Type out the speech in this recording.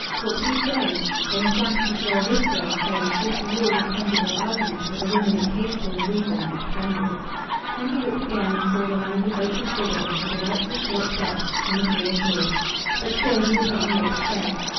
What could he say? In a flash he saw a vista of, say, forty years of conjugal argument with a woman incapable of reason, and trembled. Then he looked again, and saw the lines of Rachel's figure in her delightful short skirt and was reassured. But still he did not know what to say.